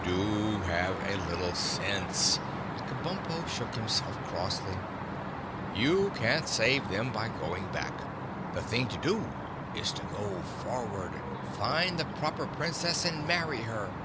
"Do have a little sense!" Kabumpo shook himself crossly. "You can't save them by going back. The thing to do is to go forward, find the Proper Princess and marry her.